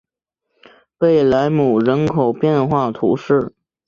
贝莱姆人口变化图示